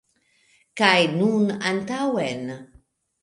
Kaj nun antaŭen!